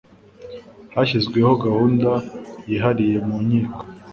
hashyizweho gahunda yihariye mu nkiko